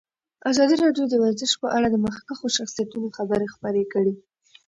ازادي راډیو د ورزش په اړه د مخکښو شخصیتونو خبرې خپرې کړي.